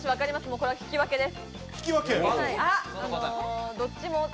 これは引き分けです。